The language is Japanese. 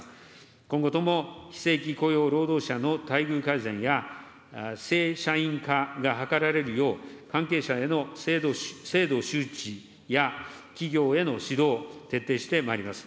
今後とも非正規雇用労働者の待遇改善や正社員化が図られるよう、関係者への制度周知や、企業への指導、徹底してまいります。